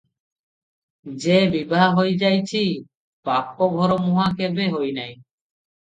ଯେ ବିଭା ହୋଇ ଯାଇଛି, ବାପ-ଘରମୁହାଁ କେଭେ ହୋଇନାହିଁ ।